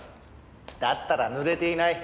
だったら濡れていない。